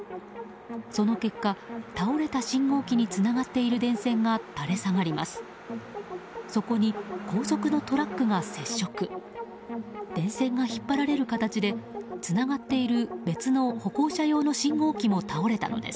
その結果、倒れた信号機につながっている電線が垂れ下がります。